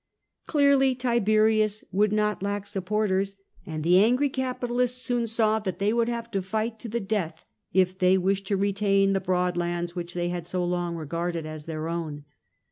Clearly Tiberius would not lack supporters, and the angry capitalists soon saw that they would have to fight to the death, if they wished to retain the broad lands which they had so long regarded as their own.